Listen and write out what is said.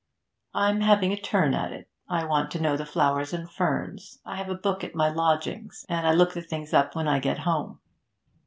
'I'm having a turn at it. I want to know the flowers and ferns. I have a book at my lodgings, and I look the things up when I get home.'